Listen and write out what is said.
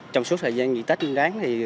trong suốt thời gian nghị tết yên đáng